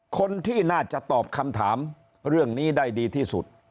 คนที่น่าจะตอบคำถามเรื่องนี้ได้ดีที่สุด